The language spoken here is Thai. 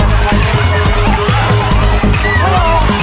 วินาทีประอบ๒๕วินาทีได้ดอมเวลา๒๑วินาที